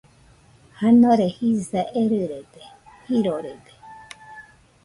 Janore jisa erɨrede, jirorede